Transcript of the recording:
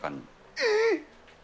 えっ！